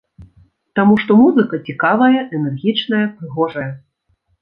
Таму што музыка цікавая, энергічная, прыгожая.